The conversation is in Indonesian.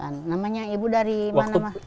namanya ibu dari mana